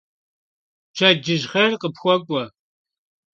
Pşedcıj xhêr khıpxuk'ue!